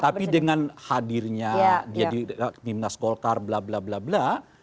tapi dengan hadirnya dia di timnas golkar bla bla bla bla